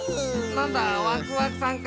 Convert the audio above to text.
なんだワクワクさんか。